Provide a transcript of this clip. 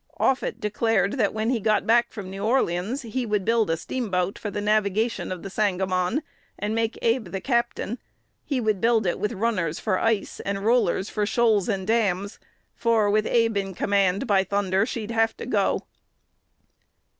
"2 Offutt declared that when he got back from New Orleans, he would build a steamboat for the navigation of the Sangamon, and make Abe the captain; he would build it with runners for ice, and rollers for shoals and dams, for with "Abe in command, by thunder, she'd have to go."